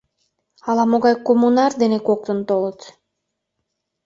Ала-могай «Коммунар» дене коктын толыт.